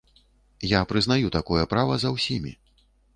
Я прызнаю такое права за ўсімі.